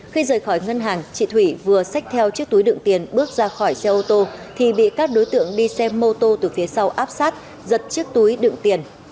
khi rời khỏi ngân hàng chị thủy vừa xách theo chiếc túi đựng tiền bước ra khỏi xe ô tô thì bị các đối tượng đi xe mô tô từ phía sau áp sát giật chiếc túi đựng tiền